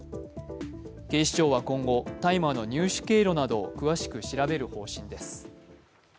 警視庁は今後大麻の入手経路などを詳しく調べる方針です。